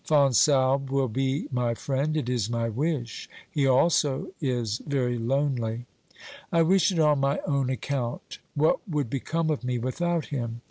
Fonsalbe will be my friend, it is my wish ; he also is very lonely. I wish it on my own account ; what would become of me without him